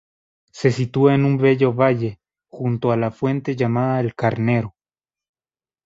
Se sitúa en un bello valle, junto a la fuente llamada El Carnero.